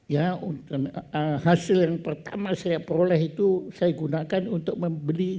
ya hasil yang pertama saya peroleh itu saya gunakan untuk membeli